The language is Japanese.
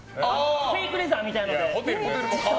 フェイクレザーみたいなので。